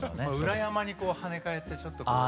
裏山に跳ね返ってちょっとこう。